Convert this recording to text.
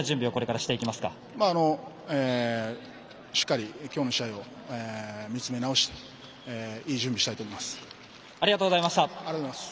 しっかり今日の試合を見つめ直していい準備をしたいと思います。